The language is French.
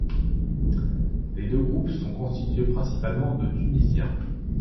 Les deux groupes sont constitués principalement de Tunisiens.